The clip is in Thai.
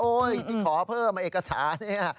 ที่ขอเพิ่มเอกสารเนี่ย